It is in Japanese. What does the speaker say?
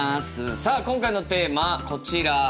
さあ今回のテーマはこちら。